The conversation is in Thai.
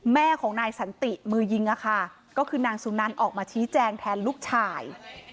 แม่ของนายสันติมือยิงก็คือนางสุนันออกมาชี้แจงแทนลูกชาย